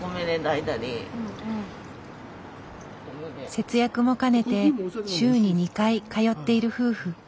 節約もかねて週に２回通っている夫婦。